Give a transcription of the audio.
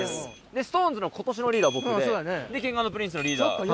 ＳｉｘＴＯＮＥＳの今年のリーダー僕でＫｉｎｇ＆Ｐｒｉｎｃｅのリーダー。